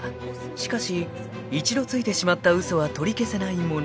［しかし一度ついてしまった嘘は取り消せないもの］